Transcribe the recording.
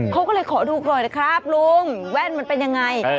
เขาก็เลยขอดูก่อนนะครับลุงแว่นมันเป็นยังไง